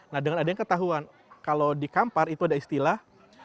nah dengan ada yang ketahuan kalau di kampar itu ada istilah